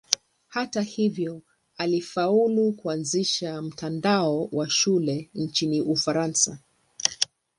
Hata hivyo alifaulu kuanzisha mtandao wa shule nchini Ufaransa.